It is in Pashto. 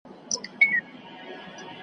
خُم به سر پر سر تشيږي .